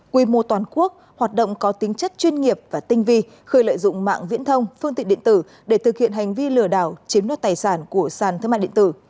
quy mô toàn quốc hoạt động có tính chất chuyên nghiệp và tinh vi khơi lợi dụng mạng viễn thông phương tiện điện tử để thực hiện hành vi lừa đảo chiếm đoạt tài sản của sàn thương mạng điện tử